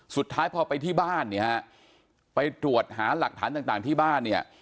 สุดท้ายพอไปที่บ้านเนี่ยฮะไปตรวจหาหลักฐานต่างที่บ้านเนี่ย